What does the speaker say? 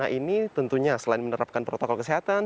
nah ini tentunya selain menerapkan protokol kesehatan